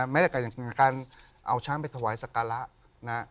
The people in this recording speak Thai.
แม้แต่การเอาช้างไปถวายสการะ